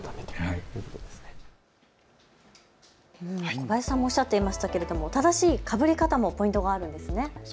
小林さんもおっしゃっていましたけれども正しいかぶり方もポイントがあるんですね。